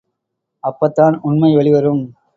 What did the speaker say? அப்பத்தான் உண்மை வெளிவரும்.